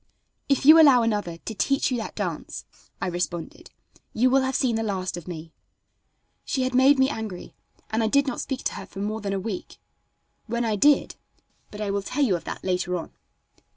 "If you allow another to teach you that dance," I responded, "you will have seen the last of me." She had made me angry, and I did not speak to her for more than a week. When I did but I will tell you of that later on.